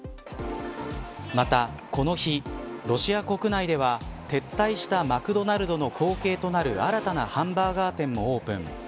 また、この日ロシア国内では撤退したマクドナルドの後継となる新たなハンバーガー店もオープン。